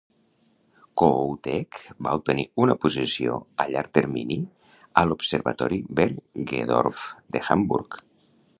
Kohoutek va obtenir una posició a llarg termini a l'Observatori Bergedorf de Hamburg.